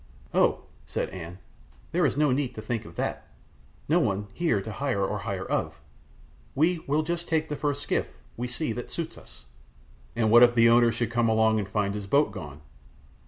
"Oh!" said An, "there is no need to think of that, no one here to hire or hire of; we will just take the first skiff we see that suits us." "And what if the owner should come along and find his boat gone?"